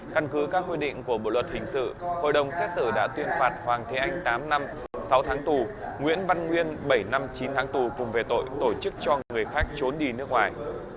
căn cứ các quy định của bộ luật hình sự hội đồng xét xử đã tuyên phạt hoàng thế anh tám năm sáu tháng tù nguyễn văn nguyên bảy năm chín tháng tù cùng về tội tổ chức cho người khác trốn đi nước ngoài